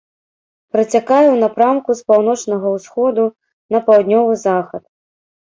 Працякае ў напрамку з паўночнага ўсходу на паўднёвы захад.